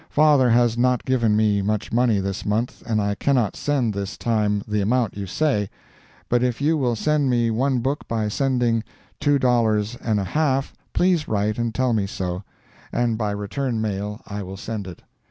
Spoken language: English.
Father has not given me much money this month and I cannot send this time the amount you say; but if you will send me one book by sending two dollars and a half, please write and tell me so, and by return mail I will send it.